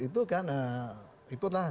itu kan itu adalah